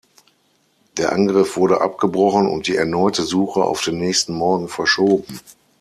Der Angriff wurde abgebrochen und die erneute Suche auf den nächsten Morgen verschoben.